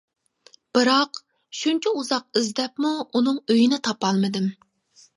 بىراق، شۇنچە ئۇزاق ئىزدەپمۇ ئۇنىڭ ئۆيىنى تاپالمىدىم.